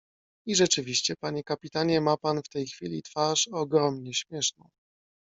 "I rzeczywiście, panie kapitanie, ma pan w tej chwili twarz ogromnie śmieszną."